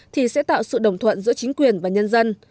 thì sẽ tạo sự đồng thuận giữa chính quyền và nhân dân